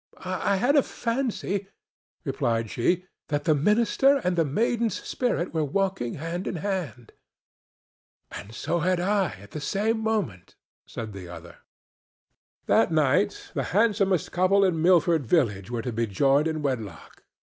"I had a fancy," replied she, "that the minister and the maiden's spirit were walking hand in hand." "And so had I at the same moment," said the other. That night the handsomest couple in Milford village were to be joined in wedlock.